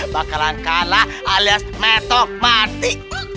bakalan kalah alias metok mati